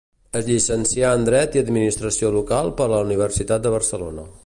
Es llicencià en Dret i Administració Local per la Universitat de Barcelona.